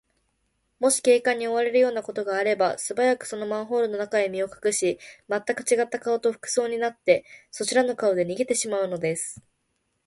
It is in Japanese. もし警官に追われるようなことがあれば、すばやく、そのマンホールの中へ身をかくし、まったくちがった顔と服装とになって、そしらぬ顔で逃げてしまうのです。